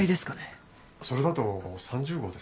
それだと３０号ですね。